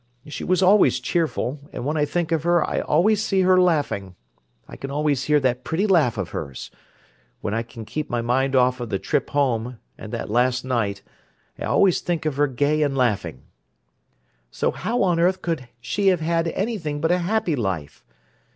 She was always cheerful, and when I think of her I can always see her laughing—I can always hear that pretty laugh of hers. When I can keep my mind off of the trip home, and that last night, I always think of her gay and laughing. So how on earth could she have had anything but a happy life?